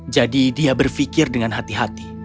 jadi dia berpikir dengan hati hati